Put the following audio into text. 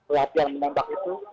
latihan menembak itu